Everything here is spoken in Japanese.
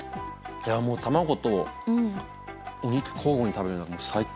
いやもう卵とお肉交互に食べるのはもう最高。